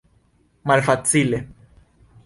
Malfacile.